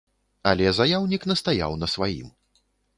Але заяўнік настаяў на сваім.